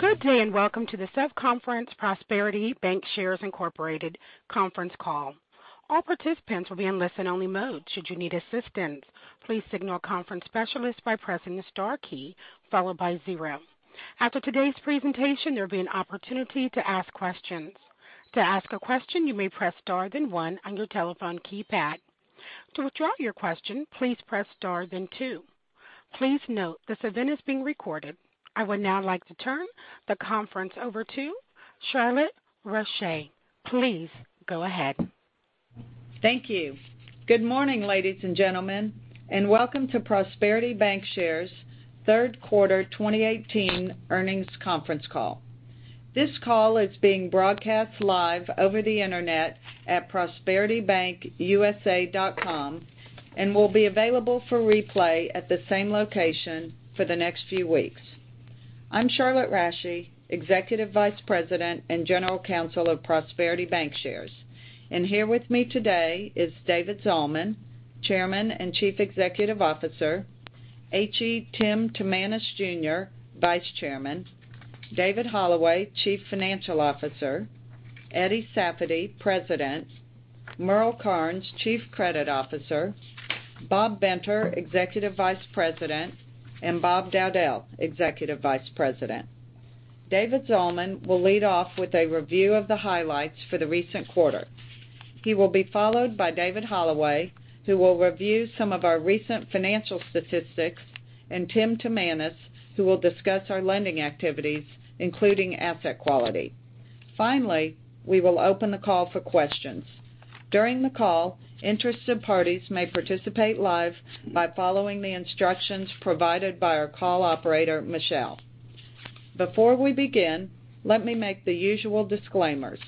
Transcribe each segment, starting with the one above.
Welcome to the Prosperity Bancshares conference call. All participants will be in listen-only mode. Should you need assistance, please signal a conference specialist by pressing the star key followed by zero. After today's presentation, there will be an opportunity to ask questions. To ask a question, you may press star then one on your telephone keypad. To withdraw your question, please press star then two. Please note, this event is being recorded. I would now like to turn the conference over to Charlotte Rasche. Please go ahead. Thank you. Good morning, ladies and gentlemen, welcome to Prosperity Bancshares' third quarter 2018 earnings conference call. This call is being broadcast live over the internet at prosperitybankusa.com and will be available for replay at the same location for the next few weeks. I'm Charlotte Rasche, Executive Vice President and General Counsel of Prosperity Bancshares. Here with me today is David Zalman, Chairman and Chief Executive Officer, H.E. Tim Timanus Jr., Vice Chairman, David Holloway, Chief Financial Officer, Eddie Safady, President, Merle Karnes, Chief Credit Officer, Bob Benter, Executive Vice President, Bob Dowdell, Executive Vice President. David Zalman will lead off with a review of the highlights for the recent quarter. He will be followed by David Holloway, who will review some of our recent financial statistics, Tim Timanus, who will discuss our lending activities, including asset quality. Finally, we will open the call for questions. During the call, interested parties may participate live by following the instructions provided by our call operator, Michelle. Before we begin, let me make the usual disclaimers.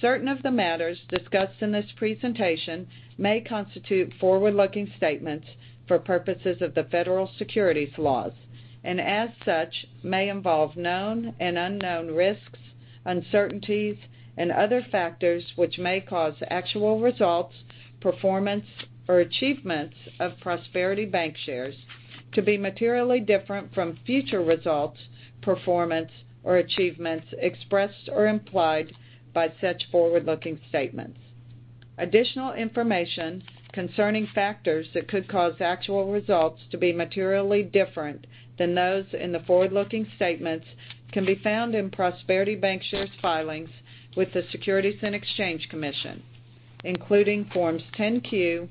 Certain of the matters discussed in this presentation may constitute forward-looking statements for purposes of the federal securities laws, as such, may involve known and unknown risks, uncertainties and other factors which may cause actual results, performance or achievements of Prosperity Bancshares to be materially different from future results, performance or achievements expressed or implied by such forward-looking statements. Additional information concerning factors that could cause actual results to be materially different than those in the forward-looking statements can be found in Prosperity Bancshares' filings with the Securities and Exchange Commission, including Forms 10-Q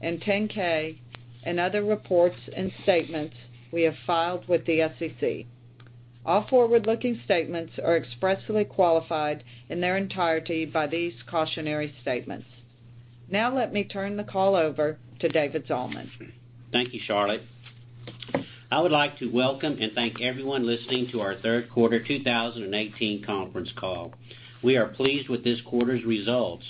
and 10-K, other reports and statements we have filed with the SEC. All forward-looking statements are expressly qualified in their entirety by these cautionary statements. Now let me turn the call over to David Zalman. Thank you, Charlotte. I would like to welcome and thank everyone listening to our third quarter 2018 conference call. We are pleased with this quarter's results.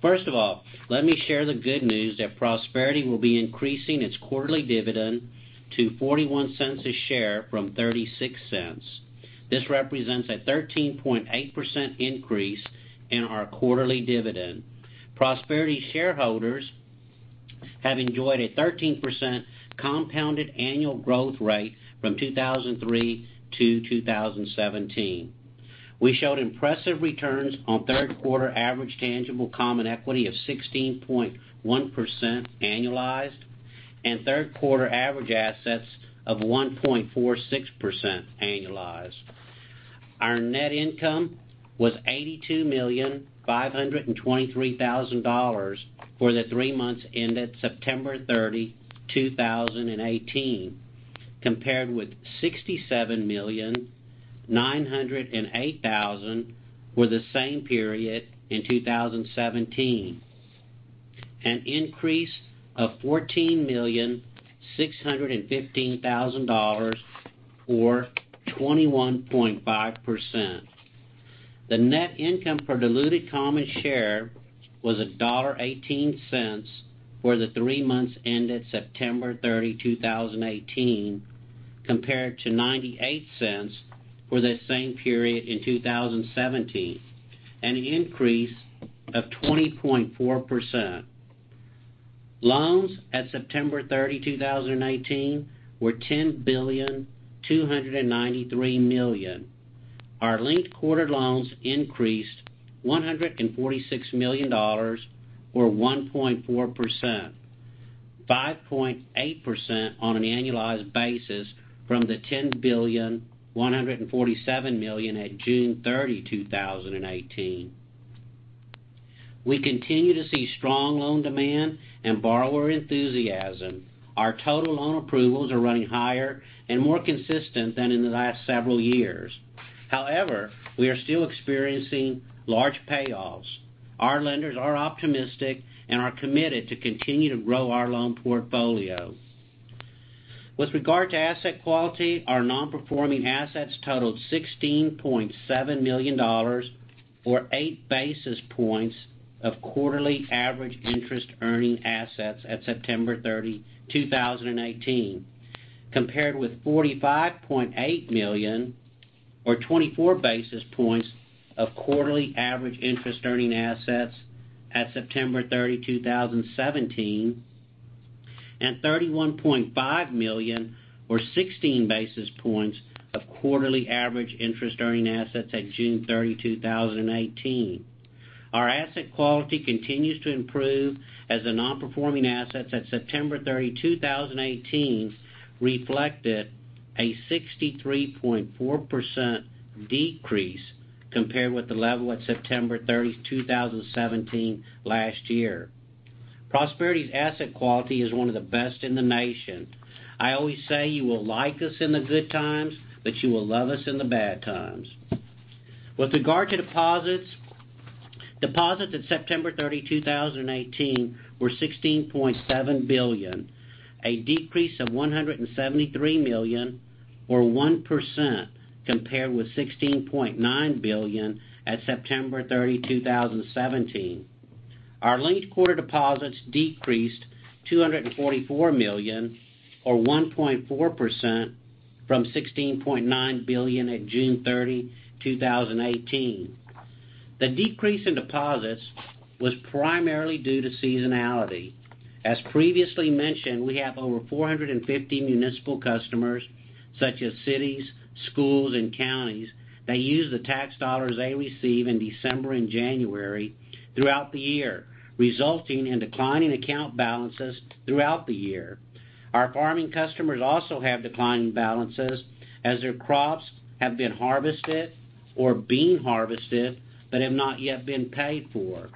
First of all, let me share the good news that Prosperity will be increasing its quarterly dividend to $0.41 a share from $0.36. This represents a 13.8% increase in our quarterly dividend. Prosperity shareholders have enjoyed a 13% compounded annual growth rate from 2003 to 2017. We showed impressive returns on third quarter average tangible common equity of 16.1% annualized and third quarter average assets of 1.46% annualized. Our net income was $82,523,000 for the three months ended September 30, 2018, compared with $67,908,000 for the same period in 2017, an increase of $14,615,000, or 21.5%. The net income per diluted common share was $1.18 for the three months ended September 30, 2018, compared to $0.98 for the same period in 2017, an increase of 20.4%. Loans at September 30, 2018, were $10,293,000,000. Our linked quarter loans increased $146 million, or 1.4%, 5.8% on an annualized basis from the $10,147,000,000 at June 30, 2018. We continue to see strong loan demand and borrower enthusiasm. Our total loan approvals are running higher and more consistent than in the last several years. However, we are still experiencing large payoffs. Our lenders are optimistic and are committed to continue to grow our loan portfolio. With regard to asset quality, our non-performing assets totaled $16.7 million, or eight basis points of quarterly average interest-earning assets at September 30, 2018, compared with $45.8 million or 24 basis points of quarterly average interest-earning assets at September 30, 2017. $31.5 million or 16 basis points of quarterly average interest-earning assets at June 30, 2018. Our asset quality continues to improve as the non-performing assets at September 30, 2018, reflected a 63.4% decrease compared with the level at September 30, 2017, last year. Prosperity's asset quality is one of the best in the nation. I always say you will like us in the good times, but you will love us in the bad times. With regard to deposits at September 30, 2018, were $16.7 billion, a decrease of $173 million or 1% compared with $16.9 billion at September 30, 2017. Our linked quarter deposits decreased $244 million or 1.4% from $16.9 billion at June 30, 2018. The decrease in deposits was primarily due to seasonality. As previously mentioned, we have over 450 municipal customers, such as cities, schools, and counties, that use the tax dollars they receive in December and January throughout the year, resulting in declining account balances throughout the year. Our farming customers also have declining balances as their crops have been harvested or are being harvested but have not yet been paid for.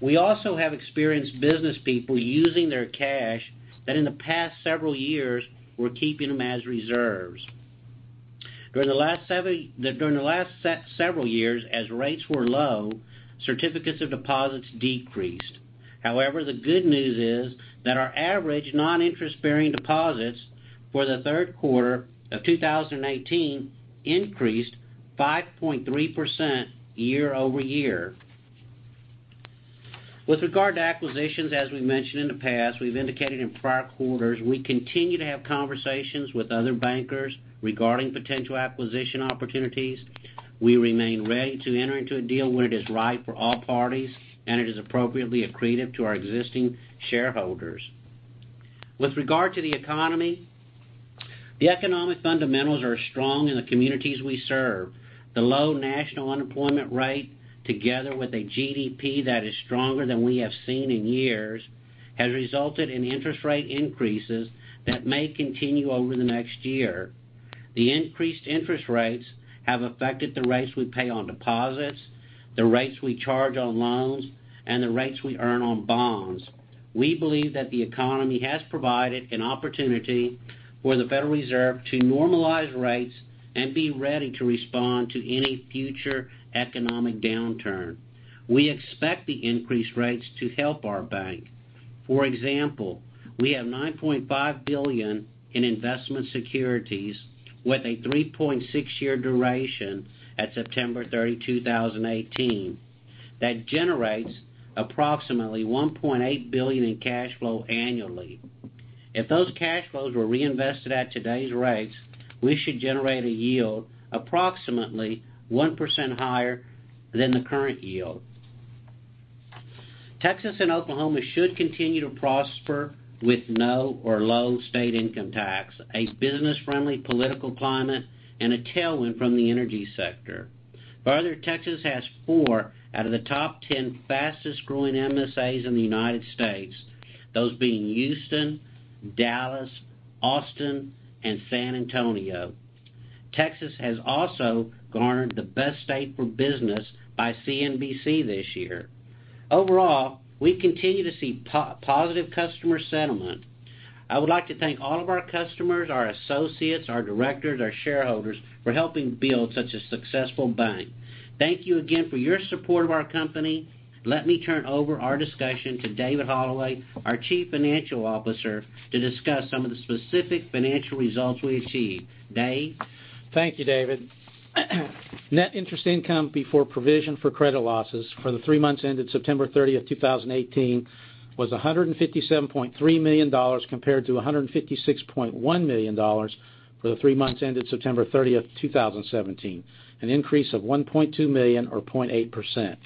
We also have experienced business people using their cash that in the past several years were keeping them as reserves. During the last several years, as rates were low, certificates of deposits decreased. However, the good news is that our average non-interest-bearing deposits for the third quarter of 2018 increased 5.3% year-over-year. With regard to acquisitions, as we mentioned in the past, we've indicated in prior quarters we continue to have conversations with other bankers regarding potential acquisition opportunities. We remain ready to enter into a deal when it is right for all parties, and it is appropriately accretive to our existing shareholders. With regard to the economy, the economic fundamentals are strong in the communities we serve. The low national unemployment rate, together with a GDP that is stronger than we have seen in years, has resulted in interest rate increases that may continue over the next year. The increased interest rates have affected the rates we pay on deposits, the rates we charge on loans, and the rates we earn on bonds. We believe that the economy has provided an opportunity for the Federal Reserve to normalize rates and be ready to respond to any future economic downturn. We expect the increased rates to help our bank. For example, we have $9.5 billion in investment securities with a 3.6-year duration at September 30, 2018. That generates approximately $1.8 billion in cash flow annually. If those cash flows were reinvested at today's rates, we should generate a yield approximately 1% higher than the current yield. Texas and Oklahoma should continue to prosper with no or low state income tax, a business-friendly political climate, and a tailwind from the energy sector. Further, Texas has four out of the top 10 fastest-growing MSAs in the United States, those being Houston, Dallas, Austin, and San Antonio. Texas has also garnered the best state for business by CNBC this year. Overall, we continue to see positive customer sentiment. I would like to thank all of our customers, our associates, our directors, our shareholders for helping build such a successful bank. Thank you again for your support of our company. Let me turn over our discussion to David Holloway, our Chief Financial Officer, to discuss some of the specific financial results we achieved. Dave? Thank you, David. Net interest income before provision for credit losses for the three months ended September 30, 2018, was $157.3 million compared to $156.1 million for the three months ended September 30, 2017, an increase of $1.2 million or 0.8%.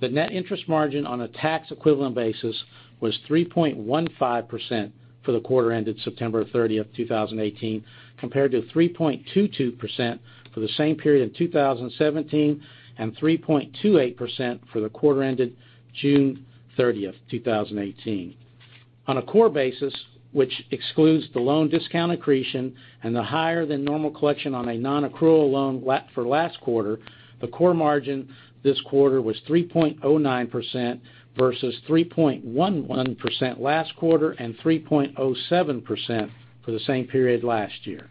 The Net interest margin on a tax-equivalent basis was 3.15% for the quarter ended September 30, 2018, compared to 3.22% for the same period in 2017 and 3.28% for the quarter ended June 30, 2018. On a core basis, which excludes the loan discount accretion and the higher than normal collection on a non-accrual loan for last quarter, the core margin this quarter was 3.09% versus 3.11% last quarter and 3.07% for the same period last year.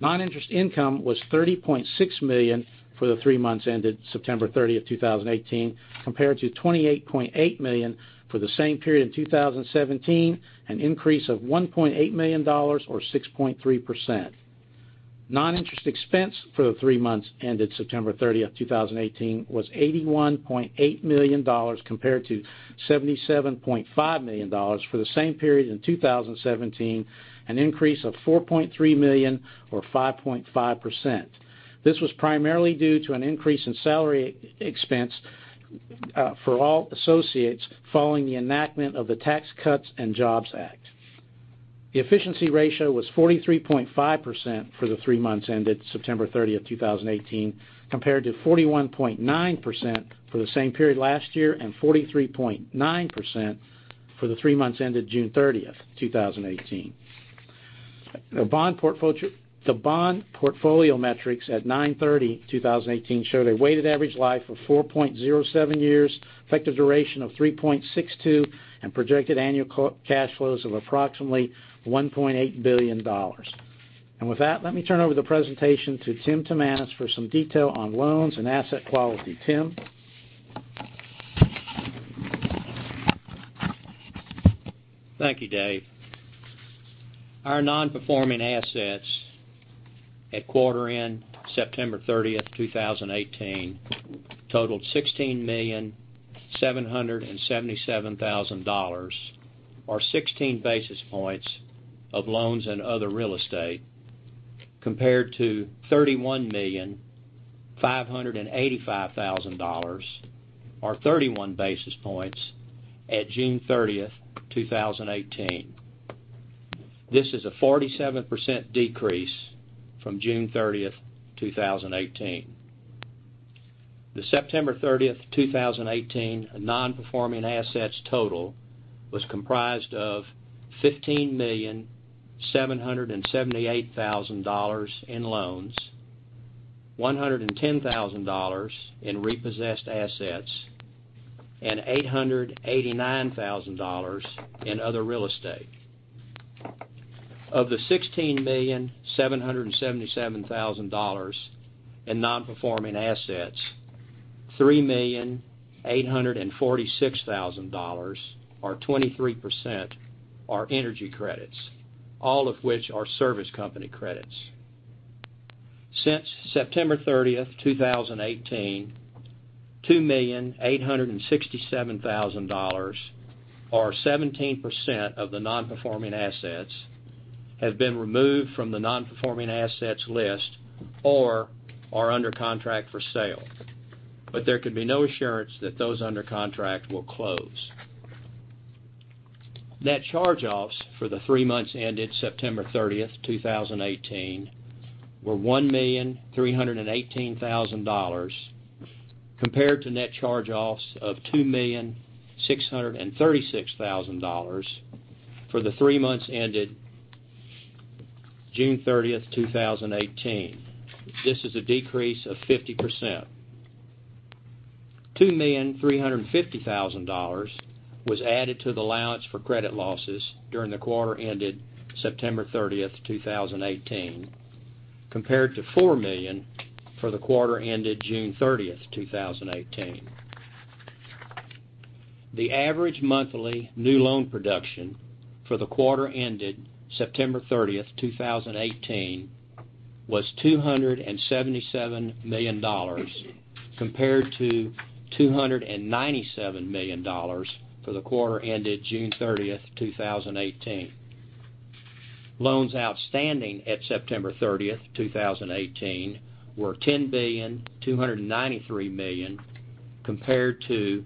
Non-interest income was $30.6 million for the three months ended September 30, 2018, compared to $28.8 million for the same period in 2017, an increase of $1.8 million or 6.3%. Non-interest expense for the three months ended September 30, 2018, was $81.8 million compared to $77.5 million for the same period in 2017, an increase of $4.3 million or 5.5%. This was primarily due to an increase in salary expense for all associates following the enactment of the Tax Cuts and Jobs Act. The efficiency ratio was 43.5% for the three months ended September 30, 2018, compared to 41.9% for the same period last year and 43.9% for the three months ended June 30, 2018. The bond portfolio metrics at 9/30/2018 show their weighted average life of 4.07 years, effective duration of 3.62, and projected annual cash flows of approximately $1.8 billion. With that, let me turn over the presentation to Tim Timanus for some detail on loans and asset quality. Tim? Thank you, Dave. Our non-performing assets at quarter end September 30th, 2018, totaled $16,777,000, or 16 basis points of loans and other real estate, compared to $31,585,000, or 31 basis points at June 30th, 2018. This is a 47% decrease from June 30th, 2018. The September 30th, 2018 non-performing assets total was comprised of $15,778,000 in loans, $110,000 in repossessed assets, and $889,000 in other real estate. Of the $16,777,000 in non-performing assets, $3,846,000, or 23%, are energy credits, all of which are service company credits. Since September 30th, 2018, $2,867,000, or 17% of the non-performing assets, have been removed from the non-performing assets list or are under contract for sale. There could be no assurance that those under contract will close. Net charge-offs for the three months ended September 30th, 2018, were $1,318,000 compared to net charge-offs of $2,636,000 for the three months ended June 30th, 2018. This is a decrease of 50%. $2,350,000 was added to the allowance for credit losses during the quarter ended September 30th, 2018, compared to $4 million for the quarter ended June 30th, 2018. The average monthly new loan production for the quarter ended September 30th, 2018, was $277 million compared to $297 million for the quarter ended June 30th, 2018. Loans outstanding at September 30th, 2018, were $10,293,000,000 million compared to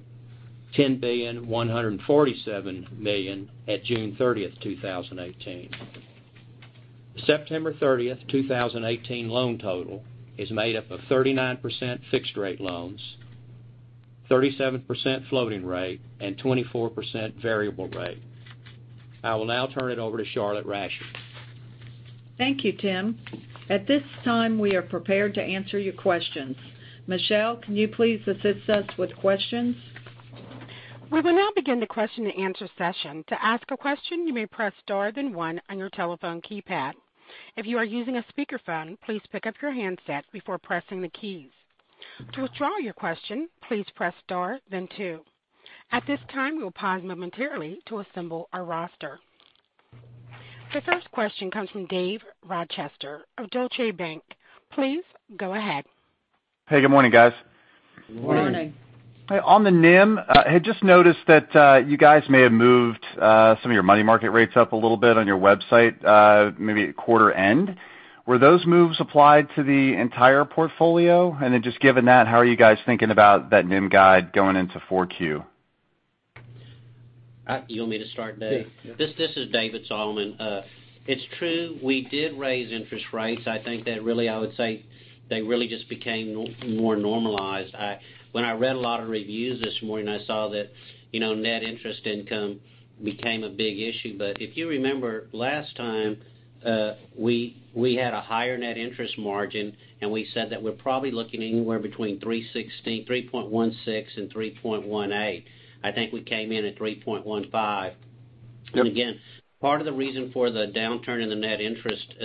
$10,147,000,000 million at June 30th, 2018. The September 30th, 2018 loan total is made up of 39% fixed rate loans, 37% floating rate, and 24% variable rate. I will now turn it over to Charlotte Rasche. Thank you, Tim. At this time, we are prepared to answer your questions. Michelle, can you please assist us with questions? We will now begin the question and answer session. To ask a question, you may press star then one on your telephone keypad. If you are using a speakerphone, please pick up your handset before pressing the keys. To withdraw your question, please press star then two. At this time, we will pause momentarily to assemble our roster. The first question comes from Dave Rochester of Deutsche Bank. Please go ahead. Hey, good morning, guys. Good morning. Good morning. On the NIM, I had just noticed that you guys may have moved some of your money market rates up a little bit on your website, maybe at quarter end. Were those moves applied to the entire portfolio? Just given that, how are you guys thinking about that NIM guide going into 4Q? You want me to start, Dave? Yeah. This is David Zalman. It's true, we did raise interest rates. I think that really, I would say they really just became more normalized. When I read a lot of reviews this morning, I saw that net interest income became a big issue. If you remember last time, we had a higher net interest margin, and we said that we're probably looking anywhere between 316, 3.16 and 3.18. I think we came in at 3.15. Again, part of the reason for the downturn in the net interest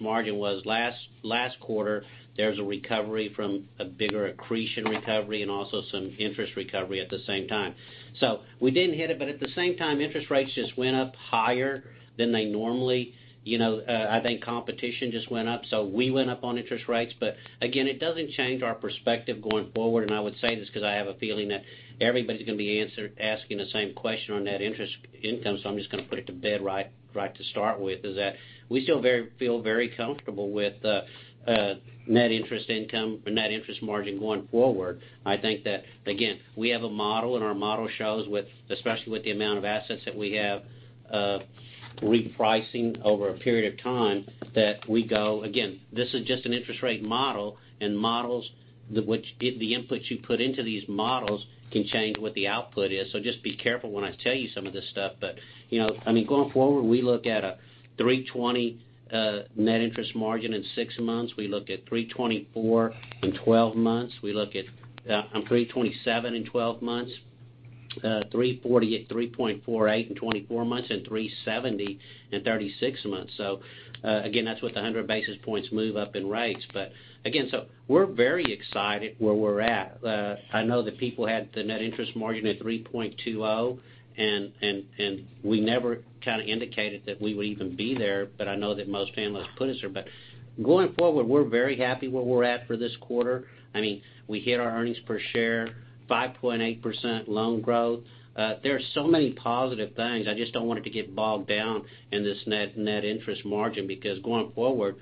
margin was last quarter, there was a recovery from a bigger accretion recovery and also some interest recovery at the same time. We didn't hit it, but at the same time, interest rates just went up higher than they normally. I think competition just went up. We went up on interest rates, but again, it doesn't change our perspective going forward. I would say this because I have a feeling that everybody's going to be asking the same question on net interest income. I'm just going to put it to bed right to start with is that we still feel very comfortable with net interest income and net interest margin going forward. I think that, again, we have a model, and our model shows with, especially with the amount of assets that we have, repricing over a period of time. Again, this is just an interest rate model, and models which the inputs you put into these models can change what the output is. Just be careful when I tell you some of this stuff. Going forward, we look at a 320 net interest margin in six months. We look at 3.24% in 12 months. We look at 3.27% in 12 months, 3.40% at 3.48% in 24 months and 3.70% in 36 months. Again, that's with the 100 basis points move up in rates. Again, we're very excited where we're at. I know that people had the net interest margin at 3.20%, and we never kind of indicated that we would even be there, but I know that most analysts put us there. Going forward, we're very happy where we're at for this quarter. We hit our earnings per share, 5.8% loan growth. There are so many positive things. I just don't want it to get bogged down in this net interest margin, because going forward,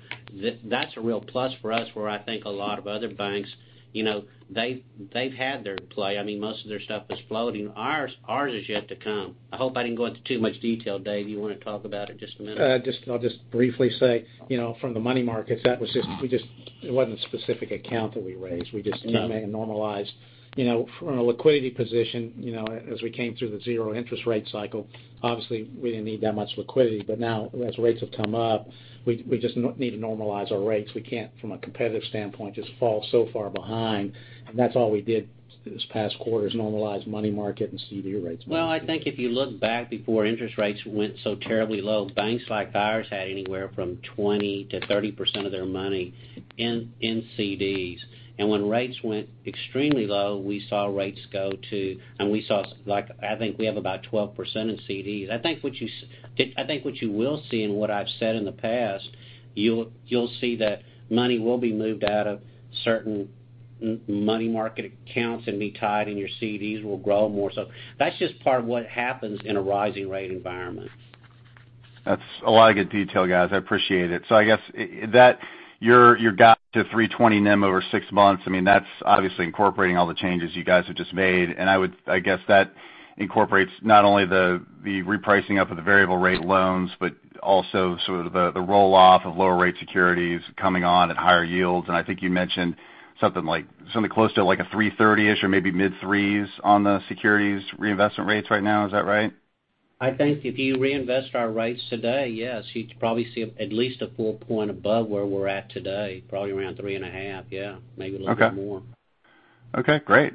that's a real plus for us where I think a lot of other banks, they've had their play. Most of their stuff is floating. Ours is yet to come. I hope I didn't go into too much detail. Dave, you want to talk about it just a minute? I'll just briefly say, from the money markets, it wasn't a specific account that we raised. We just normalized. From a liquidity position, as we came through the zero interest rate cycle, obviously, we didn't need that much liquidity. Now, as rates have come up, we just need to normalize our rates. We can't, from a competitive standpoint, just fall so far behind. That's all we did this past quarter, is normalize money market and CD rates. I think if you look back before interest rates went so terribly low, banks like ours had anywhere from 20%-30% of their money in CDs. When rates went extremely low, we saw rates go to I think we have about 12% in CDs. What you will see, and what I've said in the past, you'll see that money will be moved out of certain money market accounts and be tied, and your CDs will grow more. That's just part of what happens in a rising rate environment. That's a lot of good detail, guys. I appreciate it. I guess, your guide to 320 NIM over six months, that's obviously incorporating all the changes you guys have just made. I guess that incorporates not only the repricing up of the variable rate loans, but also sort of the roll-off of lower rate securities coming on at higher yields. I think you mentioned something close to like a 330-ish or maybe mid threes on the securities reinvestment rates right now. Is that right? I think if you reinvest our rates today, yes, you'd probably see at least a full point above where we're at today, probably around three and a half. Yeah. Maybe a little bit more. Okay, great.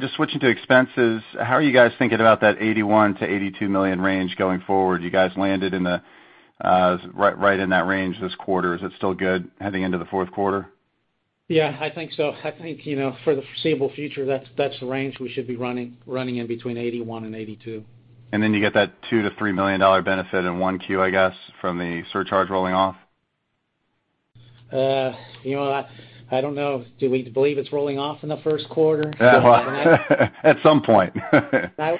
Just switching to expenses, how are you guys thinking about that $81 million-$82 million range going forward? You guys landed right in that range this quarter. Is it still good heading into the fourth quarter? Yeah, I think so. I think, for the foreseeable future, that's the range we should be running in between 81 and 82. Then you get that $2 million-$3 million benefit in one Q, I guess, from the surcharge rolling off. I don't know. Do we believe it's rolling off in the first quarter? At some point. I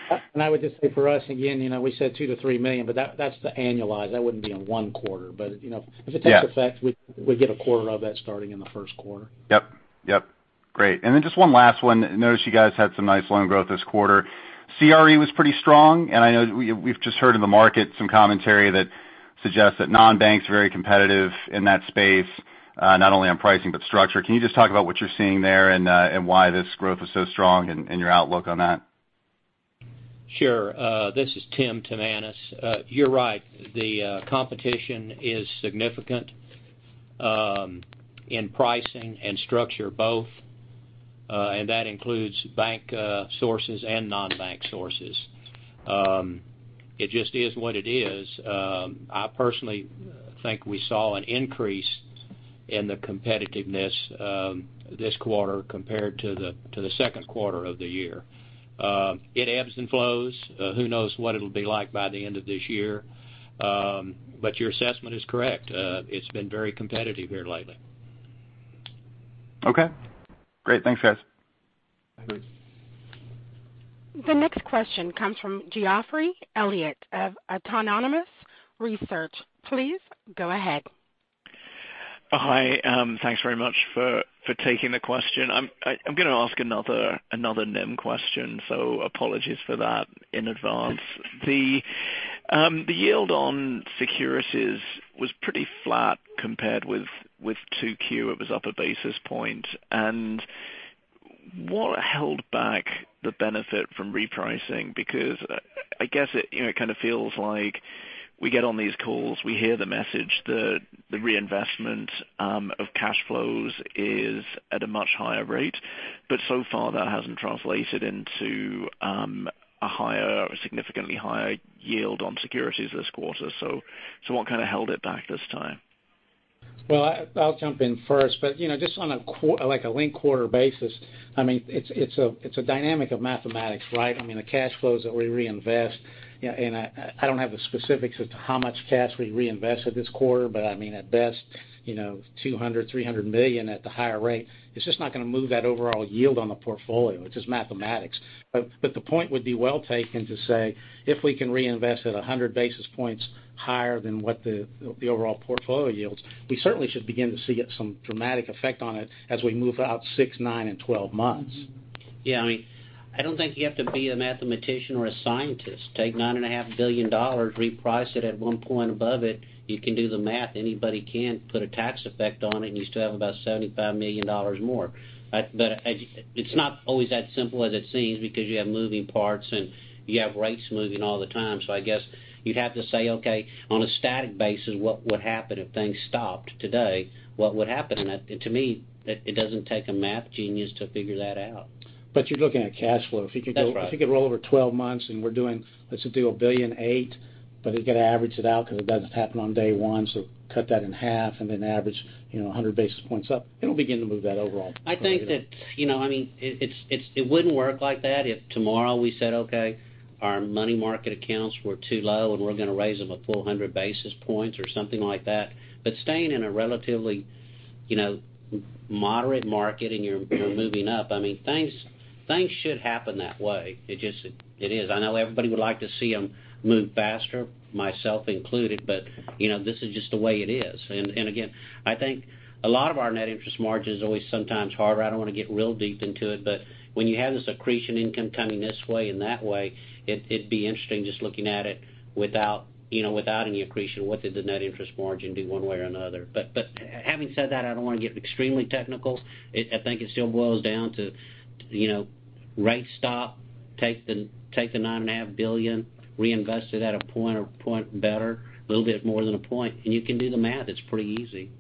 would just say for us, again, we said $2 million-$3 million, that's the annualized. That wouldn't be in one quarter. If it takes effect, we'd get a quarter of that starting in the first quarter. Yep. Great. Just one last one. I noticed you guys had some nice loan growth this quarter. CRE was pretty strong, I know we've just heard in the market some commentary that suggests that non-banks are very competitive in that space, not only on pricing, but structure. Can you just talk about what you're seeing there and why this growth is so strong and your outlook on that? Sure. This is Tim Timanus. You're right. The competition is significant in pricing and structure both, that includes bank sources and non-bank sources. It just is what it is. I personally think we saw an increase in the competitiveness this quarter compared to the second quarter of the year. It ebbs and flows. Who knows what it'll be like by the end of this year. Your assessment is correct. It's been very competitive here lately. Okay, great. Thanks, guys. Agreed. The next question comes from Geoffrey Elliott of Autonomous Research. Please go ahead. Hi. Thanks very much for taking the question. I'm going to ask another NIM question, so apologies for that in advance. The yield on securities was pretty flat compared with 2Q, it was up a basis point. What held back the benefit from repricing? I guess it kind of feels like we get on these calls, we hear the message, the reinvestment of cash flows is at a much higher rate, but so far that hasn't translated into a significantly higher yield on securities this quarter. What kind of held it back this time? Well, I'll jump in first, but just on a linked quarter basis, it's a dynamic of mathematics, right? The cash flows that we reinvest, I don't have the specifics as to how much cash we reinvested this quarter, but at best, $200 million-$300 million at the higher rate is just not going to move that overall yield on the portfolio. It's just mathematics. The point would be well taken to say, if we can reinvest at 100 basis points higher than what the overall portfolio yields, we certainly should begin to see some dramatic effect on it as we move out 6, 9, and 12 months. Yeah, I don't think you have to be a mathematician or a scientist. Take $9.5 billion, reprice it at one point above it. You can do the math. Anybody can put a tax effect on it, you still have about $75 million more. It's not always that simple as it seems because you have moving parts and you have rates moving all the time. I guess you'd have to say, okay, on a static basis, what would happen if things stopped today? What would happen? To me, it doesn't take a math genius to figure that out. You're looking at cash flow. That's right. If you could roll over 12 months and we're doing, let's just do $1.8 billion, but you got to average it out because it doesn't happen on day one, cut that in half and then average 100 basis points up. It'll begin to move that overall. I think that it wouldn't work like that if tomorrow we said, okay, our money market accounts were too low, and we're going to raise them a 400 basis points or something like that. Staying in a relatively moderate market and you're moving up, things should happen that way. It is. I know everybody would like to see them move faster, myself included, this is just the way it is. Again, I think a lot of our net interest margin is always sometimes harder. I don't want to get real deep into it, but when you have this accretion income coming this way and that way, it'd be interesting just looking at it without any accretion, what did the net interest margin do one way or another? Having said that, I don't want to get extremely technical. I think it still boils down to rate stop, take the $9.5 billion, reinvest it at a point or point better, a little bit more than a point, and you can do the math. It's pretty easy.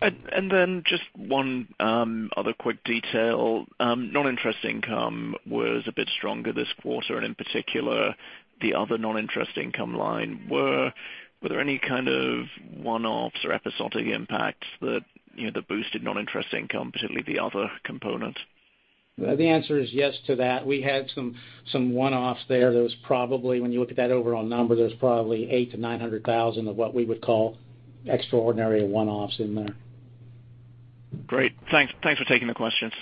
Then just one other quick detail. Non-interest income was a bit stronger this quarter, and in particular, the other non-interest income line. Were there any kind of one-offs or episodic impacts that boosted non-interest income, particularly the other component? The answer is yes to that. We had some one-offs there. When you look at that overall number, there's probably eight to $900,000 of what we would call extraordinary one-offs in there. Great. Thanks for taking the questions.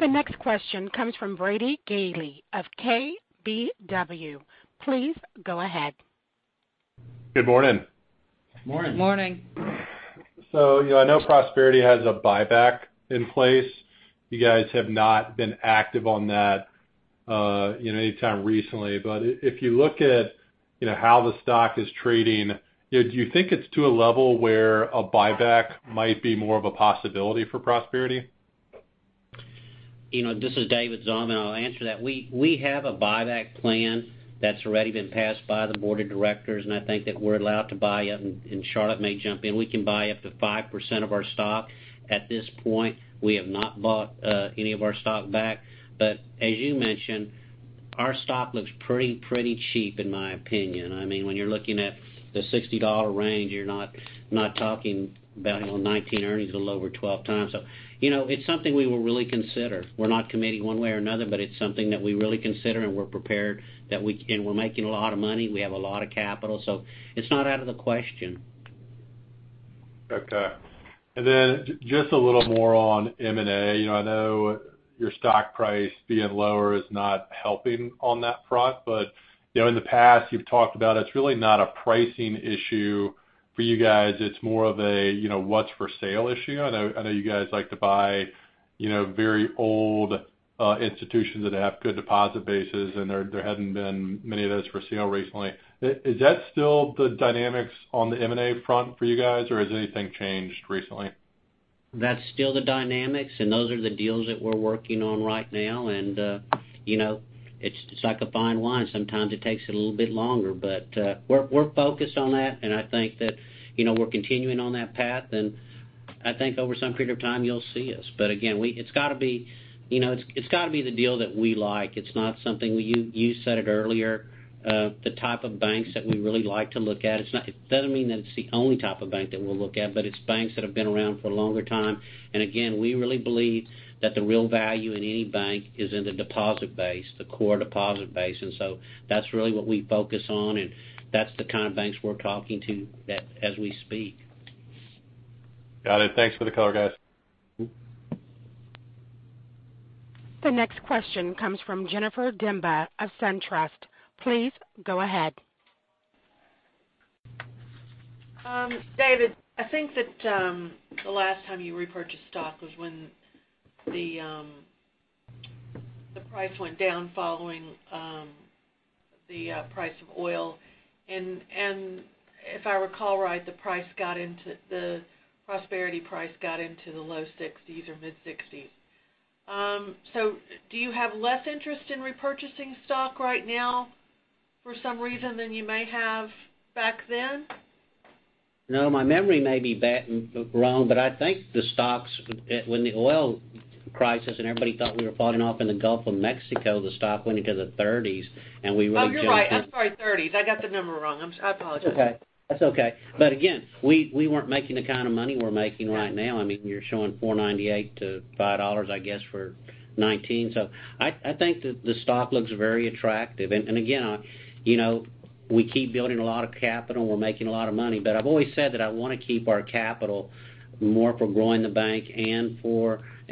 The next question comes from Brady Gailey of KBW. Please go ahead. Good morning. Morning. Morning. I know Prosperity has a buyback in place. You guys have not been active on that anytime recently. If you look at how the stock is trading, do you think it's to a level where a buyback might be more of a possibility for Prosperity? This is David Zalman. I'll answer that. We have a buyback plan that's already been passed by the board of directors. I think that we're allowed to buy, Charlotte may jump in, we can buy up to 5% of our stock. At this point, we have not bought any of our stock back. As you mentioned, our stock looks pretty cheap in my opinion. When you're looking at the $60 range, you're not talking about on 2019 earnings a little over 12 times. It's something we will really consider. We're not committing one way or another, it's something that we really consider, and we're prepared that we're making a lot of money. We have a lot of capital, it's not out of the question. Okay. Just a little more on M&A. I know your stock price being lower is not helping on that front. In the past, you've talked about it's really not a pricing issue for you guys. It's more of a what's for sale issue. I know you guys like to buy very old institutions that have good deposit bases, and there hadn't been many of those for sale recently. Is that still the dynamics on the M&A front for you guys, or has anything changed recently? That's still the dynamics, those are the deals that we're working on right now, and it's like a fine wine. Sometimes it takes a little bit longer. We're focused on that, and I think that we're continuing on that path, and I think over some period of time you'll see us. Again, it's got to be the deal that we like. It's not something, you said it earlier, the type of banks that we really like to look at. It doesn't mean that it's the only type of bank that we'll look at, but it's banks that have been around for a longer time. Again, we really believe that the real value in any bank is in the deposit base, the core deposit base. That's really what we focus on, and that's the kind of banks we're talking to as we speak. Got it. Thanks for the color, guys. The next question comes from Jennifer Demba of SunTrust. Please go ahead. David, I think that the last time you repurchased stock was when the price went down following the price of oil. If I recall right, the Prosperity price got into the low 60s or mid-60s. Do you have less interest in repurchasing stock right now for some reason than you may have back then? No, my memory may be wrong, but I think the stocks, when the oil crisis and everybody thought we were bottoming off in the Gulf of Mexico, the stock went into the 30s. Oh, you're right. I'm sorry, 30s. I got the number wrong. I apologize. That's okay. Again, we weren't making the kind of money we're making right now. You're showing $4.98 to $5, I guess, for 2019. I think that the stock looks very attractive. Again, we keep building a lot of capital. We're making a lot of money. I've always said that I want to keep our capital more for growing the bank and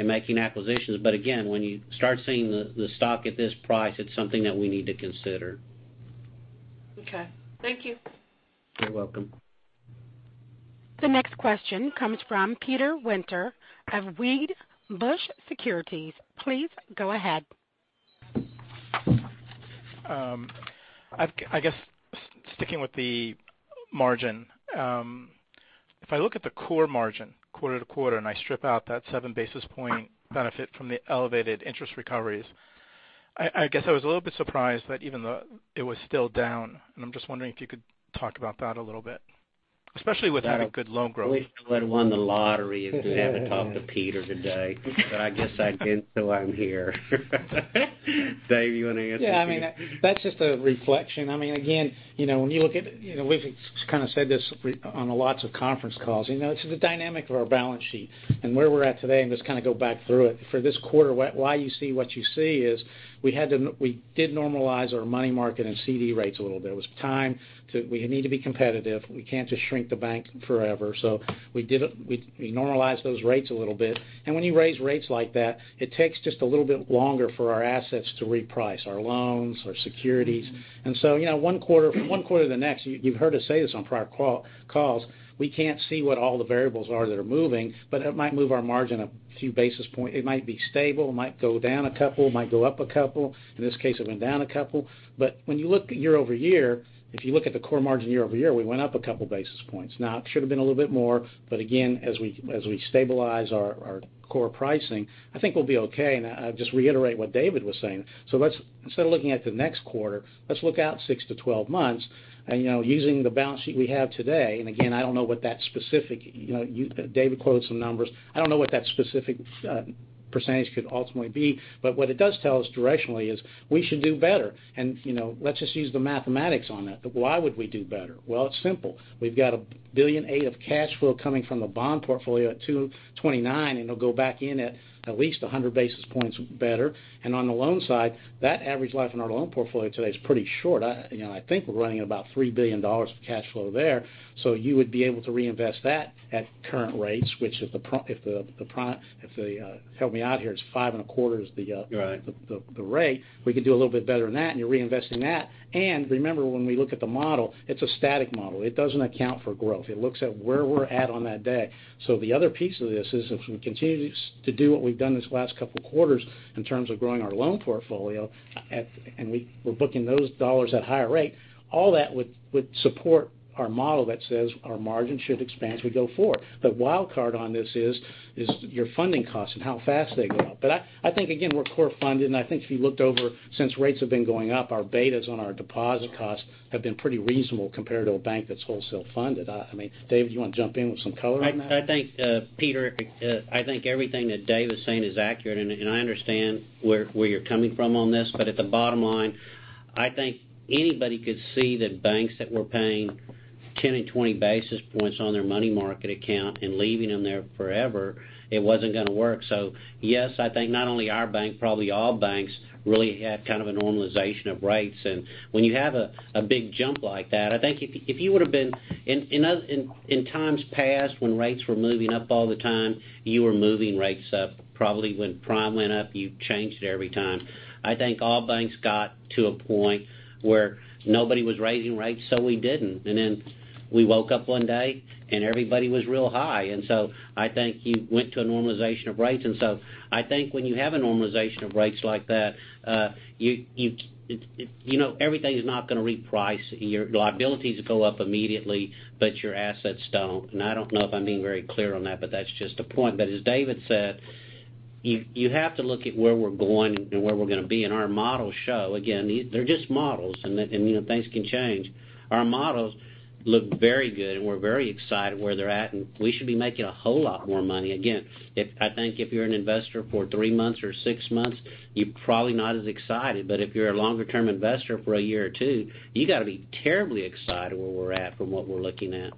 making acquisitions. Again, when you start seeing the stock at this price, it's something that we need to consider. Okay. Thank you. You're welcome. The next question comes from Peter Winter of Wedbush Securities. Please go ahead. I guess sticking with the margin, if I look at the core margin quarter-over-quarter and I strip out that seven basis point benefit from the elevated interest recoveries, I guess I was a little bit surprised that even though it was still down, and I'm just wondering if you could talk about that a little bit, especially with having good loan growth. I wish I would've won the lottery and didn't have to talk to Peter today. I guess I didn't, so I'm here. Dave, you want to answer? That's just a reflection. When you look at it, we've kind of said this on lots of conference calls. It's the dynamic of our balance sheet and where we're at today. Let's kind of go back through it. For this quarter, why you see what you see is we did normalize our money market and CD rates a little bit. We need to be competitive. We can't just shrink the bank forever. We normalized those rates a little bit. When you raise rates like that, it takes just a little bit longer for our assets to reprice: our loans, our securities. One quarter to the next, you've heard us say this on prior calls, we can't see what all the variables are that are moving, but it might move our margin a few basis points. It might be stable, it might go down a couple, it might go up a couple. In this case, it went down a couple. When you look at year-over-year, if you look at the core margin year-over-year, we went up a couple basis points. It should've been a little bit more, but again, as we stabilize our core pricing, I think we'll be okay. I just reiterate what David was saying. Let's instead of looking at the next quarter, let's look out 6 to 12 months, using the balance sheet we have today. Again, I don't know what that specific David quoted some numbers. I don't know what that specific percentage could ultimately be, but what it does tell us directionally is we should do better. Let's just use the mathematics on that. Why would we do better? Well, it's simple. We've got $1.8 billion of cash flow coming from the bond portfolio at 229. It'll go back in at least 100 basis points better. On the loan side, that average life in our loan portfolio today is pretty short. I think we're running about $3 billion of cash flow there. You would be able to reinvest that at current rates, which if the prime, help me out here, it's five and a quarter is the rate. Right the rate. We could do a little bit better than that. You're reinvesting that. Remember, when we look at the model, it's a static model. It doesn't account for growth. It looks at where we're at on that day. The other piece of this is if we continue to do what we've done these last couple of quarters in terms of growing our loan portfolio, we're booking those dollars at higher rate, all that would support our model that says our margin should expand as we go forward. The wild card on this is your funding costs and how fast they go up. I think, again, we're core funded. I think if you looked over since rates have been going up, our betas on our deposit costs have been pretty reasonable compared to a bank that's wholesale funded. David, you want to jump in with some color on that? Peter, I think everything that Dave is saying is accurate, and I understand where you're coming from on this. At the bottom line, I think anybody could see that banks that were paying 10 and 20 basis points on their money market account and leaving them there forever, it wasn't going to work. Yes, I think not only our bank, probably all banks really had kind of a normalization of rates. When you have a big jump like that, I think if you would've been in times past when rates were moving up all the time, you were moving rates up probably when prime went up, you changed it every time. I think all banks got to a point where nobody was raising rates, so we didn't. Then we woke up one day, and everybody was real high. I think you went to a normalization of rates. I think when you have a normalization of rates like that, everything is not going to reprice. Your liabilities go up immediately, but your assets don't. I don't know if I'm being very clear on that, That's just a point. As David said, you have to look at where we're going and where we're going to be, and our models show, again, they're just models, and things can change. Our models look very good, and we're very excited where they're at, and we should be making a whole lot more money. Again, I think if you're an investor for three months or six months, you're probably not as excited, but if you're a longer-term investor for a year or two, you got to be terribly excited where we're at from what we're looking at.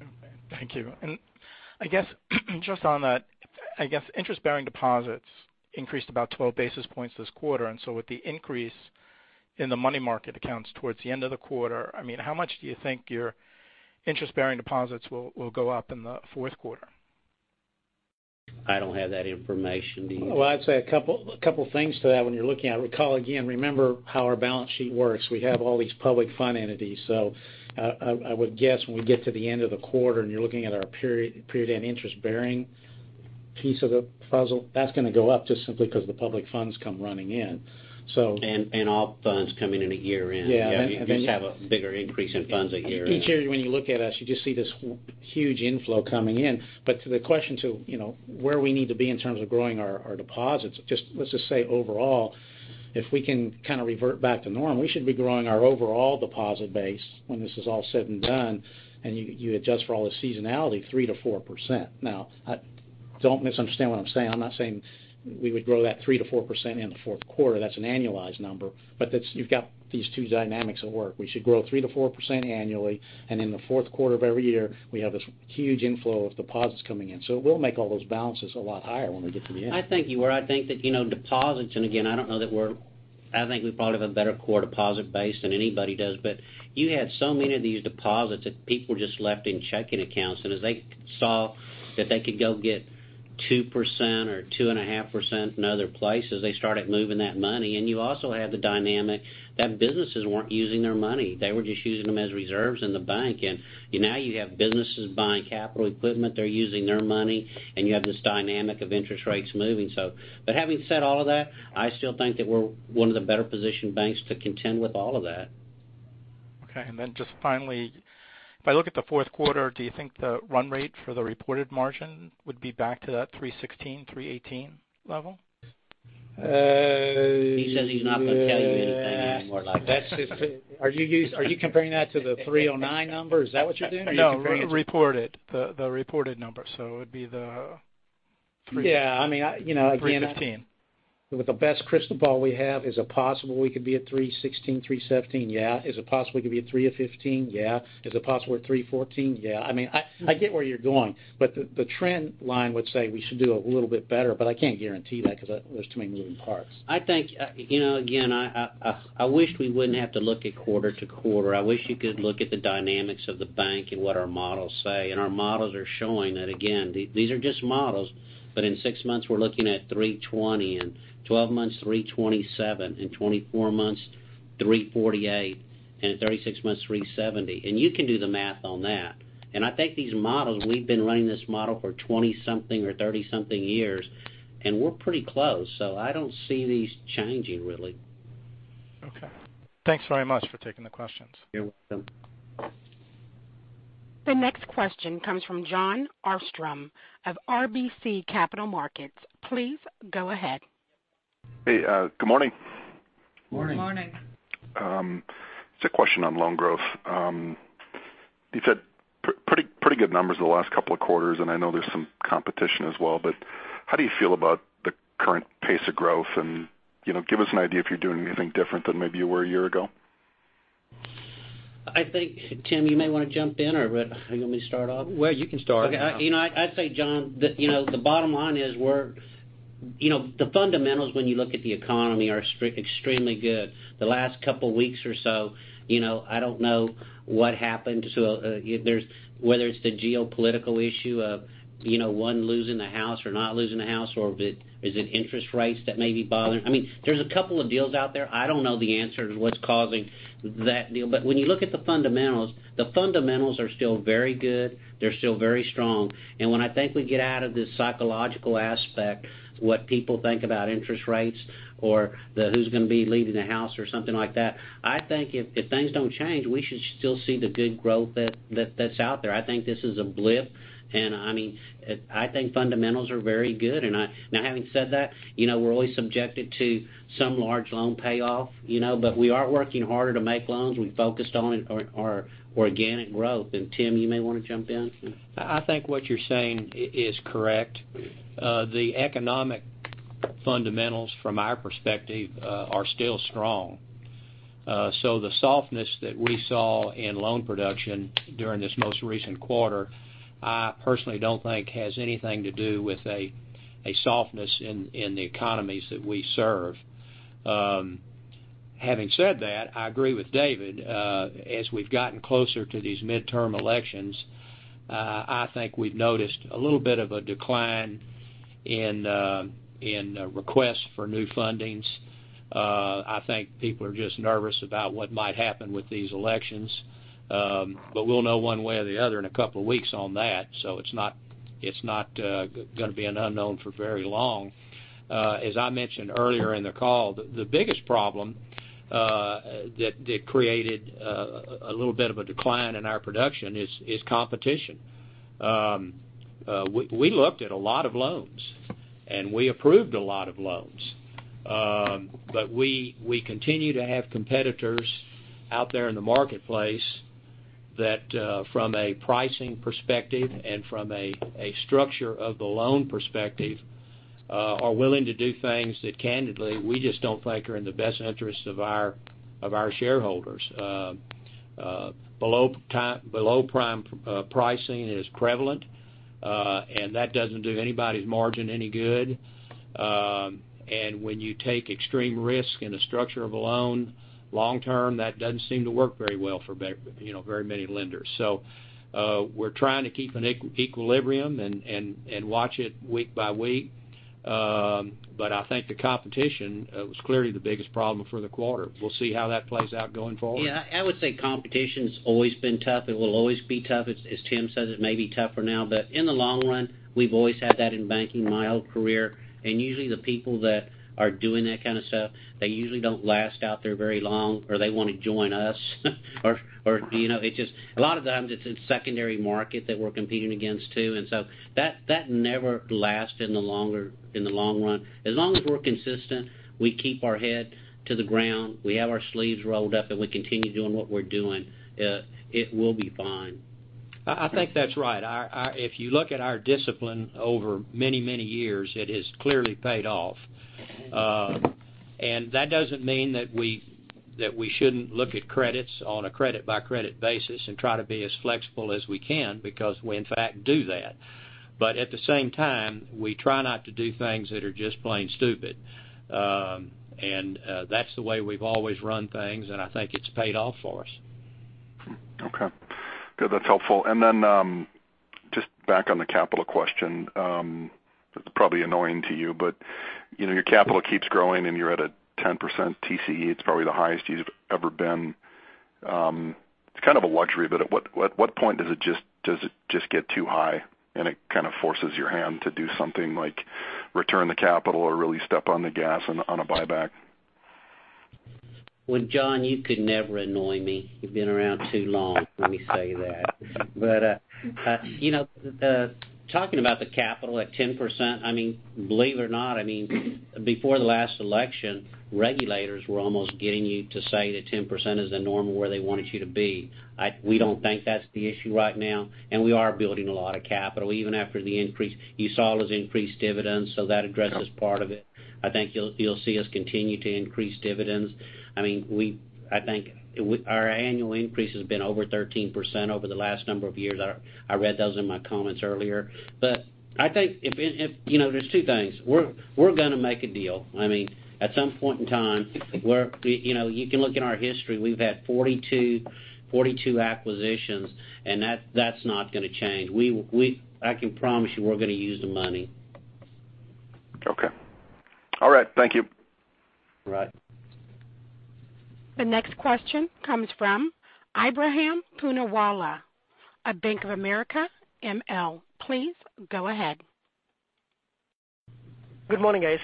Okay. Thank you. I guess just on that, I guess interest-bearing deposits increased about 12 basis points this quarter. With the increase in the money market accounts towards the end of the quarter, how much do you think your interest-bearing deposits will go up in the fourth quarter? I don't have that information. Do you? Well, I'd say a couple things to that when you're looking at recall again, remember how our balance sheet works. We have all these public fund entities. I would guess when we get to the end of the quarter and you're looking at our period-end interest-bearing piece of the puzzle, that's going to go up just simply because the public funds come running in. All funds coming in at year-end. Yeah. You just have a bigger increase in funds at year-end. Peter, when you look at us, you just see this huge inflow coming in. To the question to where we need to be in terms of growing our deposits, let's just say overall, if we can kind of revert back to normal, we should be growing our overall deposit base when this is all said and done, and you adjust for all the seasonality 3%-4%. Don't misunderstand what I'm saying. I'm not saying we would grow that 3%-4% in the fourth quarter. That's an annualized number. You've got these two dynamics at work. We should grow 3%-4% annually, and in the fourth quarter of every year, we have this huge inflow of deposits coming in. It will make all those balances a lot higher when we get to the end. I think you are. I think that deposits, and again, I don't know that I think we probably have a better core deposit base than anybody does, you had so many of these deposits that people just left in checking accounts, as they saw that they could go get 2% or 2.5% in other places, they started moving that money. You also had the dynamic that businesses weren't using their money. They were just using them as reserves in the bank. Now you have businesses buying capital equipment. They're using their money, and you have this dynamic of interest rates moving. Having said all of that, I still think that we're one of the better-positioned banks to contend with all of that. Just finally, if I look at the fourth quarter, do you think the run rate for the reported margin would be back to that 3.16, 3.18 level? He says he's not going to tell you anything anymore, that is history. Are you comparing that to the 3.09 number? Is that what you're doing? No, reported. The reported number, so it would be the Yeah. Again 3.15 With the best crystal ball we have, is it possible we could be at 3.16, 3.17? Yeah. Is it possible we could be at 3.15? Yeah. Is it possible we're at 3.14? Yeah. I get where you're going, but the trend line would say we should do a little bit better, but I can't guarantee that because there's too many moving parts. I wish we wouldn't have to look at quarter to quarter. I wish you could look at the dynamics of the bank and what our models say. Our models are showing that, again, these are just models, but in six months, we're looking at 3.20, in 12 months, 3.27, in 24 months, 3.48, and at 36 months, 3.70. You can do the math on that. I think these models, we've been running this model for 20 something or 30 something years, and we're pretty close. I don't see these changing really. Okay. Thanks very much for taking the questions. You're welcome. The next question comes from Jon Arfstrom of RBC Capital Markets. Please go ahead. Hey, good morning. Morning. Morning. It's a question on loan growth. You've had pretty good numbers the last couple of quarters. I know there's some competition as well, but how do you feel about the current pace of growth? Give us an idea if you're doing anything different than maybe you were a year ago. I think, Tim, you may want to jump in, or you want me to start off? Well, you can start. Okay. I'd say, Jon, the bottom line is the fundamentals when you look at the economy are extremely good. The last couple of weeks or so, I don't know what happened. Whether it's the geopolitical issue of one losing the House or not losing the House, or is it interest rates that may be bothering? There's a couple of deals out there. I don't know the answer to what's causing that deal, but when you look at the fundamentals, the fundamentals are still very good. They're still very strong. When I think we get out of this psychological aspect, what people think about interest rates or who's going to be leading the House or something like that, I think if things don't change, we should still see the good growth that's out there. I think this is a blip, and I think fundamentals are very good. Having said that, we're always subjected to some large loan payoff, but we are working harder to make loans. We focused on our organic growth. Tim, you may want to jump in. I think what you're saying is correct. The economic fundamentals from our perspective are still strong. The softness that we saw in loan production during this most recent quarter, I personally don't think has anything to do with a softness in the economies that we serve. Having said that, I agree with David. As we've gotten closer to these midterm elections, I think we've noticed a little bit of a decline in requests for new fundings. I think people are just nervous about what might happen with these elections. We'll know one way or the other in a couple of weeks on that, so it's not going to be an unknown for very long. As I mentioned earlier in the call, the biggest problem that created a little bit of a decline in our production is competition. We looked at a lot of loans, and we approved a lot of loans. We continue to have competitors out there in the marketplace that from a pricing perspective and from a structure of the loan perspective are willing to do things that candidly, we just don't think are in the best interest of our shareholders. Below-prime pricing is prevalent, and that doesn't do anybody's margin any good. When you take extreme risk in the structure of a loan, long term, that doesn't seem to work very well for very many lenders. We're trying to keep an equilibrium and watch it week by week. I think the competition was clearly the biggest problem for the quarter. We'll see how that plays out going forward. Yeah, I would say competition's always been tough. It will always be tough. As Tim says, it may be tougher now, in the long run, we've always had that in banking my whole career. Usually the people that are doing that kind of stuff, they usually don't last out there very long, or they want to join us or it's just a lot of times it's a secondary market that we're competing against, too. That never lasts in the long run. As long as we're consistent, we keep our head to the ground, we have our sleeves rolled up, and we continue doing what we're doing, it will be fine. I think that's right. If you look at our discipline over many, many years, it has clearly paid off. That doesn't mean that we shouldn't look at credits on a credit-by-credit basis and try to be as flexible as we can, because we, in fact, do that. At the same time, we try not to do things that are just plain stupid. That's the way we've always run things, and I think it's paid off for us. Okay. Good. That's helpful. Just back on the capital question, it's probably annoying to you, your capital keeps growing, and you're at a 10% TCE. It's probably the highest you've ever been. It's kind of a luxury, at what point does it just get too high, and it kind of forces your hand to do something like return the capital or really step on the gas on a buyback? Well, Jon, you could never annoy me. You've been around too long, let me say that. Talking about the capital at 10%, believe it or not, before the last election, regulators were almost getting you to say that 10% is the norm where they wanted you to be. We don't think that's the issue right now, and we are building a lot of capital even after the increase. You saw us increase dividends, so that addresses part of it. I think you'll see us continue to increase dividends. I think our annual increase has been over 13% over the last number of years. I read those in my comments earlier. I think there's two things. We're going to make a deal. At some point in time, you can look at our history. We've had 42 acquisitions, and that's not going to change. I can promise you we're going to use the money. Okay. All right. Thank you. All right. The next question comes from Ebrahim Poonawala at Bank of America ML. Please go ahead. Good morning, guys.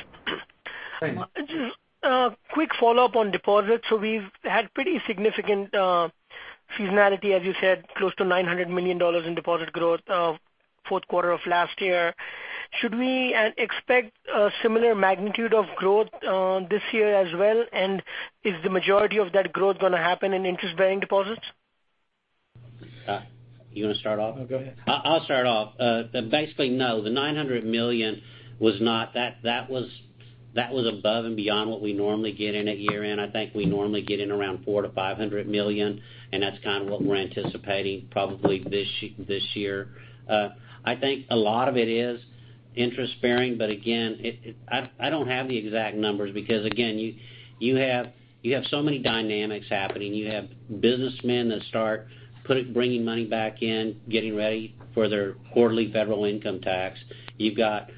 Hi. Just a quick follow-up on deposits. We've had pretty significant seasonality, as you said, close to $900 million in deposit growth, fourth quarter of last year. Should we expect a similar magnitude of growth this year as well? Is the majority of that growth going to happen in interest-bearing deposits? You want to start off? No, go ahead. I'll start off. Basically, no. The $900 million was above and beyond what we normally get in at year-end. I think we normally get in around $400 million-$500 million, and that's kind of what we're anticipating probably this year. I think a lot of it is interest-bearing, but again, I don't have the exact numbers because, again, you have so many dynamics happening. You have businessmen that start bringing money back in, getting ready for their quarterly federal income tax. You've got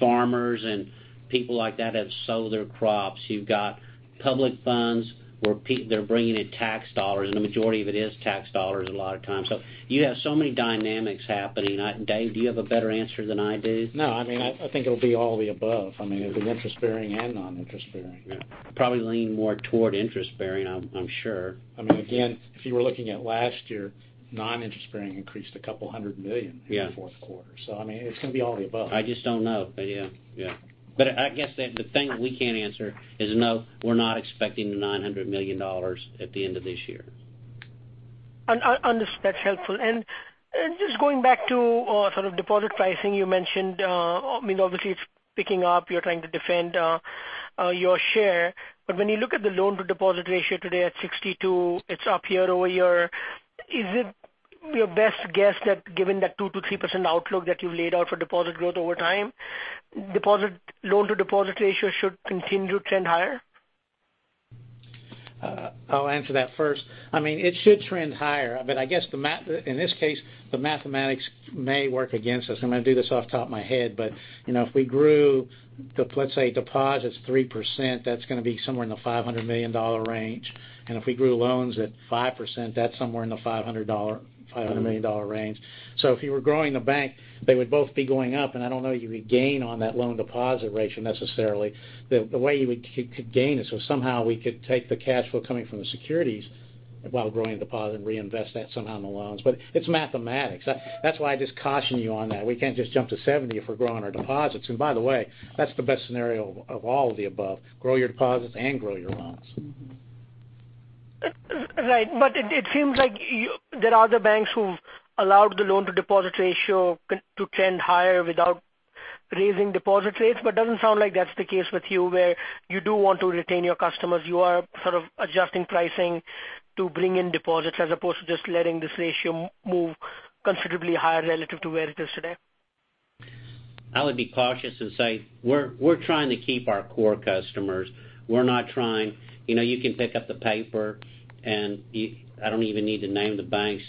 farmers and people like that that have sold their crops. You've got public funds where they're bringing in tax dollars. The majority of it is tax dollars a lot of times. You have so many dynamics happening. Dave, do you have a better answer than I do? No, I think it'll be all the above. It'll be interest-bearing and non-interest-bearing. Yeah. Probably lean more toward interest-bearing, I'm sure. Again, if you were looking at last year, non-interest-bearing increased a couple hundred million- Yeah in the fourth quarter. It's going to be all the above. I just don't know. Yeah. I guess the thing that we can answer is no, we're not expecting the $900 million at the end of this year. Understood. That's helpful. Just going back to sort of deposit pricing, you mentioned, obviously, it's picking up. You're trying to defend your share. When you look at the loan-to-deposit ratio today at 62, it's up year-over-year. Is it your best guess that given that 2%-3% outlook that you've laid out for deposit growth over time, loan-to-deposit ratio should continue to trend higher? I'll answer that first. It should trend higher, I guess, in this case, the mathematics may work against us. I'm going to do this off the top of my head, if we grew, let's say, deposits 3%, that's going to be somewhere in the $500 million range. If we grew loans at 5%, that's somewhere in the $500 million range. If you were growing the bank, they would both be going up, and I don't know you could gain on that loan-to-deposit ratio necessarily. The way you could gain is if somehow we could take the cash flow coming from the securities while growing a deposit and reinvest that somehow in the loans. It's mathematics. That's why I just caution you on that. We can't just jump to 70 if we're growing our deposits. By the way, that's the best scenario of all of the above, grow your deposits and grow your loans. Right. It seems like there are other banks who've allowed the loan-to-deposit ratio to trend higher without raising deposit rates, but doesn't sound like that's the case with you, where you do want to retain your customers. You are sort of adjusting pricing to bring in deposits as opposed to just letting this ratio move considerably higher relative to where it is today. I would be cautious and say we're trying to keep our core customers. You can pick up the paper, and I don't even need to name the banks.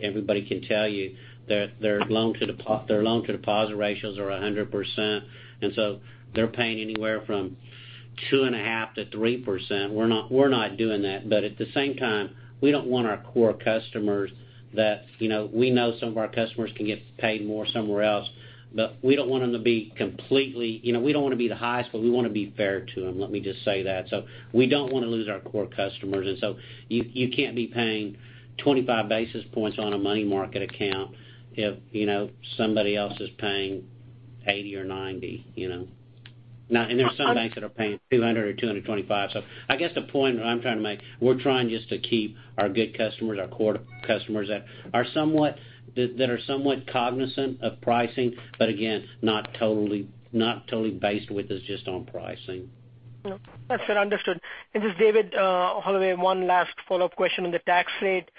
Everybody can tell you their loan-to-deposit ratios are 100%, and so they're paying anywhere from 2.5%-3%. We're not doing that. At the same time, we don't want our core customers that we know some of our customers can get paid more somewhere else, but We don't want to be the highest, but we want to be fair to them. Let me just say that. We don't want to lose our core customers, and so you can't be paying 25 basis points on a money market account if somebody else is paying 80 or 90. There are some banks that are paying 200 or 225. I guess the point that I'm trying to make, we're trying just to keep our good customers, our core customers that are somewhat cognizant of pricing, but again, not totally based with us just on pricing. No, that's understood. Just, David Holloway, one last follow-up question on the tax rate.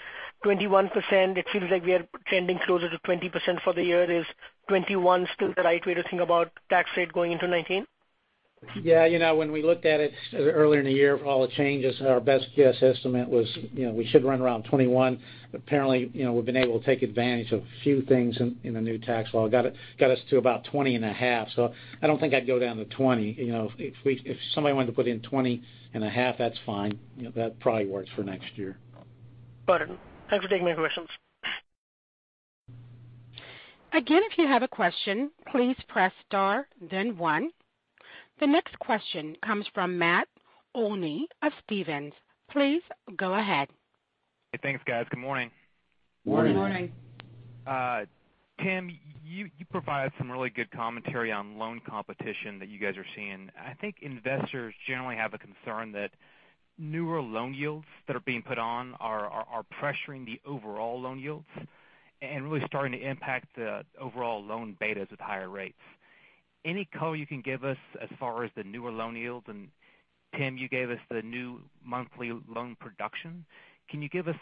21%, it seems like we are trending closer to 20% for the year. Is 21 still the right way to think about tax rate going into 2019? Yeah. When we looked at it earlier in the year, all the changes, our best guess estimate was we should run around 21. Apparently, we've been able to take advantage of a few things in the new tax law. Got us to about 20.5%, I don't think I'd go down to 20. If somebody wanted to put in 20.5%, that's fine. That probably works for next year. Got it. Thanks for taking my questions. Again, if you have a question, please press star then one. The next question comes from Matt Olney of Stephens. Please go ahead. Thanks, guys. Good morning. Morning. Morning. Tim, you provided some really good commentary on loan competition that you guys are seeing. I think investors generally have a concern that newer loan yields that are being put on are pressuring the overall loan yields and really starting to impact the overall loan betas with higher rates. Any color you can give us as far as the newer loan yields? Tim, you gave us the new monthly loan production. Can you give us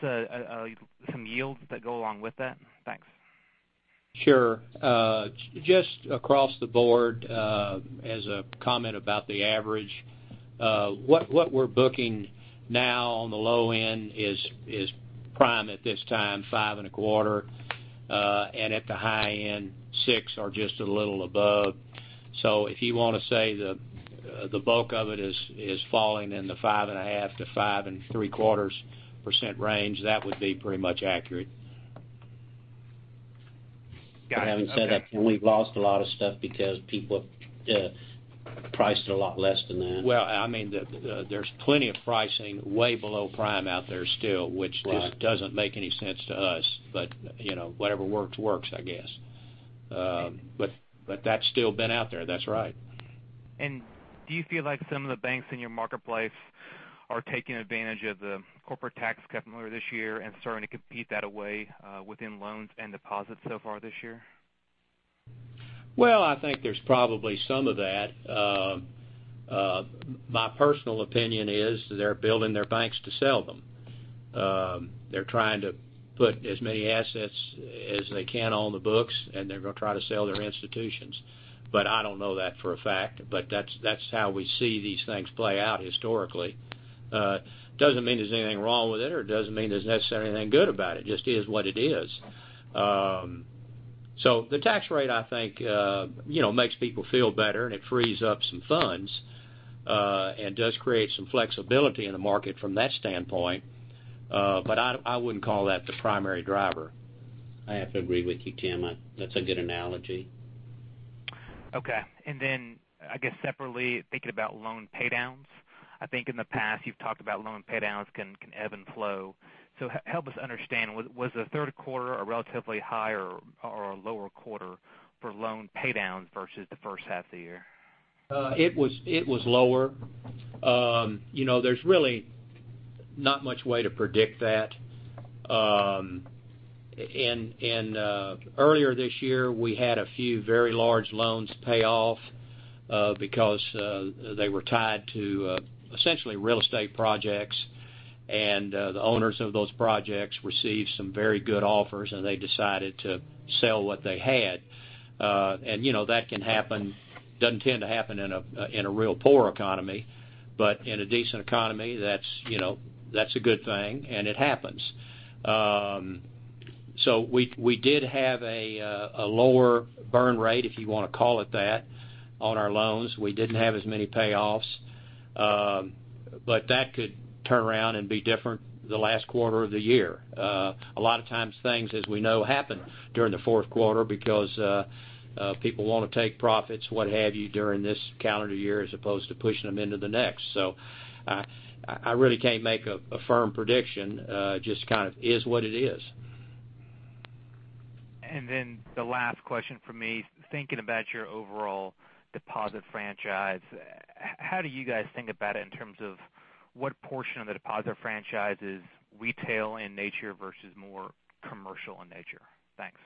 some yields that go along with that? Thanks. Sure. Just across the board, as a comment about the average, what we're booking now on the low end is prime at this time, 5.25, and at the high end, six or just a little above. If you want to say the bulk of it is falling in the 5.5%-5.75% range, that would be pretty much accurate. Got it. Okay. Having said that, we've lost a lot of stuff because people priced it a lot less than that. Well, there's plenty of pricing way below prime out there still, which just doesn't make any sense to us. Whatever works, I guess. That's still been out there, that's right. Do you feel like some of the banks in your marketplace are taking advantage of the corporate tax cut earlier this year and starting to compete that away within loans and deposits so far this year? Well, I think there's probably some of that. My personal opinion is they're building their banks to sell them. They're trying to put as many assets as they can on the books, and they're going to try to sell their institutions. I don't know that for a fact, but that's how we see these things play out historically. Doesn't mean there's anything wrong with it, or it doesn't mean there's necessarily anything good about it. Just is what it is. The tax rate, I think makes people feel better, and it frees up some funds, and does create some flexibility in the market from that standpoint. I wouldn't call that the primary driver. I have to agree with you, Tim. That's a good analogy. Okay. I guess separately, thinking about loan paydowns, I think in the past you've talked about loan paydowns can ebb and flow. Help us understand, was the third quarter a relatively higher or a lower quarter for loan paydowns versus the first half of the year? It was lower. There's really not much way to predict that. Earlier this year, we had a few very large loans pay off because they were tied to essentially real estate projects, and the owners of those projects received some very good offers, and they decided to sell what they had. That can happen, doesn't tend to happen in a real poor economy, but in a decent economy, that's a good thing, and it happens. We did have a lower burn rate, if you want to call it that, on our loans. We didn't have as many payoffs. That could turn around and be different the last quarter of the year. A lot of times things, as we know, happen during the fourth quarter because people want to take profits, what have you, during this calendar year as opposed to pushing them into the next. I really can't make a firm prediction, just kind of is what it is. The last question from me, thinking about your overall deposit franchise, how do you guys think about it in terms of what portion of the deposit franchise is retail in nature versus more commercial in nature? Thanks.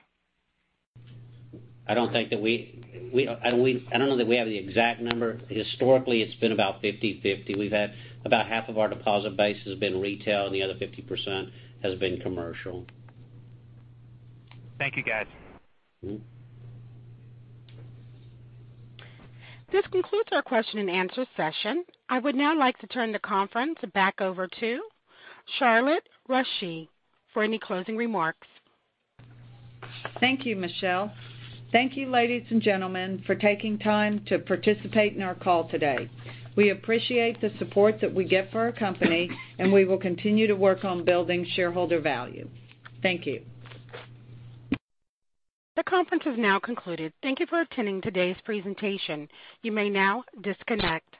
I don't know that we have the exact number. Historically, it's been about 50/50. We've had about half of our deposit base has been retail, and the other 50% has been commercial. Thank you guys. This concludes our question and answer session. I would now like to turn the conference back over to Charlotte Rasche for any closing remarks. Thank you, Michelle. Thank you, ladies and gentlemen, for taking time to participate in our call today. We appreciate the support that we get for our company, and we will continue to work on building shareholder value. Thank you. The conference has now concluded. Thank you for attending today's presentation. You may now disconnect.